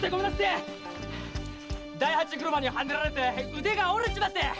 大八車にはねられて腕が折れちまってい！